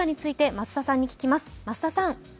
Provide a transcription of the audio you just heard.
増田さん。